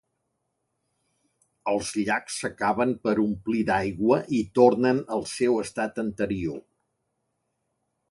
Els llacs s'acaben per omplir d'aigua i tornen al seu estat anterior.